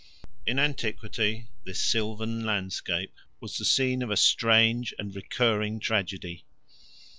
In antiquity this sylvan landscape was the scene of a strange and recurring tragedy.